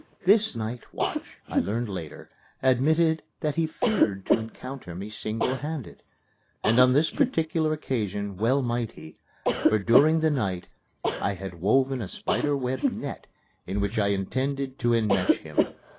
This night watch, I learned later, admitted that he feared to encounter me single handed. And on this particular occasion well might he, for, during the night, I had woven a spider web net in which I intended to enmesh him.